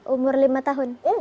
umur lima tahun